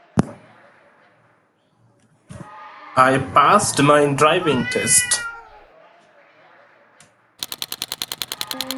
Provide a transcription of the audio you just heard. I passed my driving test!.